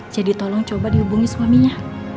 jadi tolong coba dihubungi suaminya